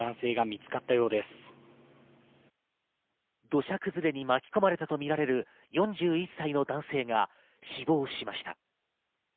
土砂崩れに巻き込まれたとみられる４１歳の男性が死亡しました。